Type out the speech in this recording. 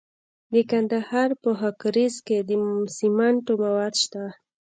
د کندهار په خاکریز کې د سمنټو مواد شته.